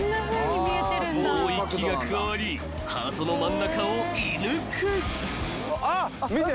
［もう１機が加わりハートの真ん中を射抜く］あっ見て。